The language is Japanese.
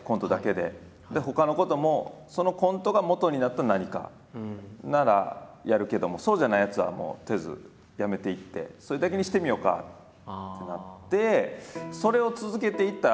でほかのこともそのコントがもとになった何かならやるけどもそうじゃないやつはもうとりあえずやめていってそれだけにしてみようかってなって。